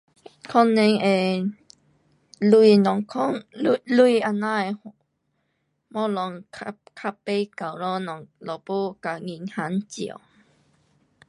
可能会，钱那讲，钱，钱那样的东西较，较不够咯，若，若没跟银行借。